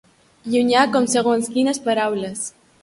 Llunyà com segons quines paraules.